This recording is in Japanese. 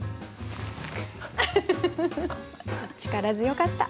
力強かった。